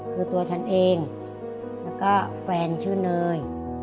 คือตัวฉันเองแล้วก็แฟนชื่อเนย